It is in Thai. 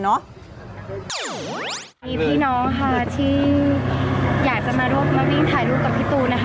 นี่พี่น้องที่อยากจะมาวิ่งถ่ายรูปกับพี่ตูน